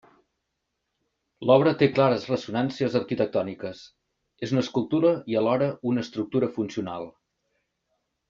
L'obra té clares ressonàncies arquitectòniques: és una escultura i alhora una estructura funcional.